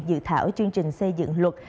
dự thảo chương trình xây dựng luật